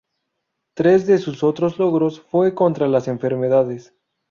Tres de sus otros logros fue contra las enfermedades.